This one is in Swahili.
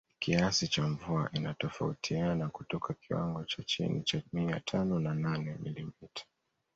Kiasi cha mvua inatofautiana kutoka kiwango cha chini cha mia tano na nane milimita